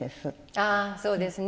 ああそうですね。